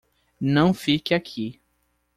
Não fique aqui